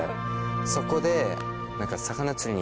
そこで。